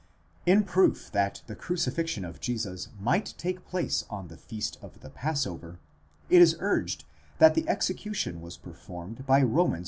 In proof that the crucifixion of Jesus might take place on the feast of the passover, it is urged that the execution was performed by Roman.